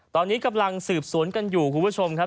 ตอนนี้กำลังสืบสวนกันอยู่คุณผู้ชมครับ